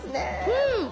うん！